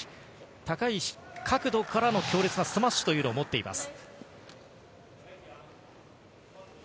高い角度からの強烈なスマッシュを持っています。